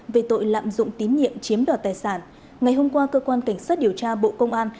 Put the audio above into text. về tội lạm dụng tín nhiệm chiếm đoạt tài sản ngày hôm qua cơ quan cảnh sát điều tra bộ công an